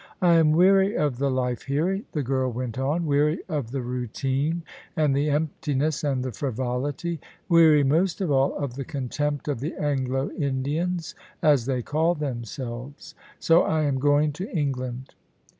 " I am weary of the life here," the girl went on :" weary of the routine and the emptiness and the frivolity; weary most of all of the contempt of the Anglo Indians, as they call themselves. So I am going to England."